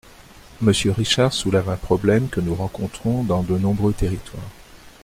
Monsieur Richard soulève un problème que nous rencontrons dans de nombreux territoires.